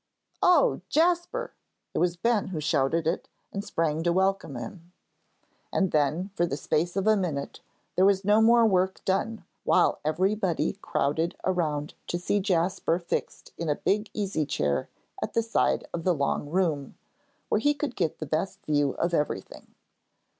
"Oh, Jasper!" It was Ben who shouted it, and sprang to welcome him. And then, for the space of a minute, there was no more work done, while everybody crowded around to see Jasper fixed in a big easy chair at the side of the long room, where he could get the best view of everything.